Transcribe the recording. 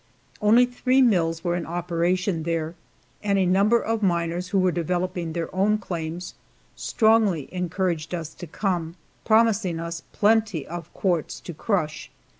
Only three mills were in operation there, and a number of miners who were developing their own claims strongly encouraged us to come, promising us plenty of quartz to crush.